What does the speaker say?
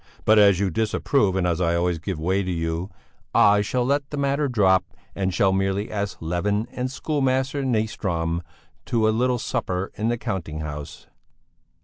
But as you disapprove, and as I always give way to you, I shall let the matter drop, and shall merely ask Levin and schoolmaster Nyström to a little supper in the counting house."